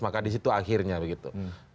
maka disitu akhirnya begitu